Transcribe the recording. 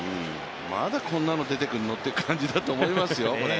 まだこんなの出てくんの？という感じだと思いますよ。